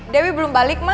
dewi belum balik ma